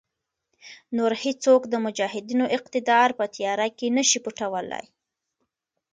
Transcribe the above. نور هېڅوک د مجاهدینو اقتدار په تیاره کې نشي پټولای.